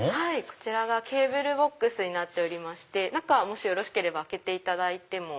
こちらがケーブルボックスになっておりまして中もしよろしければ開けていただいても。